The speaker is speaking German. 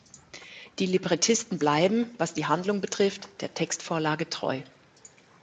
Die Librettisten bleiben, was die Handlung betrifft, der Textvorlage treu.